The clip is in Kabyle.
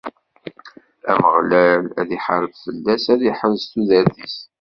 Ameɣlal ad iḥareb fell-as, ad iḥrez tudert-is.